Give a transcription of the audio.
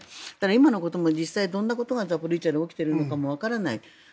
今のことも実際、どんなことがザポリージャで起きているのかもわからない。